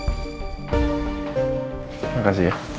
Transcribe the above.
terima kasih ya